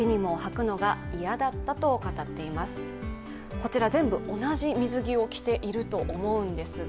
こちら全部、同じ水着を着ていると思うんですが。